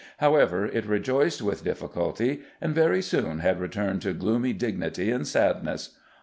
However, it rejoiced with difficulty, and very soon had returned to gloomy dignity and sadness.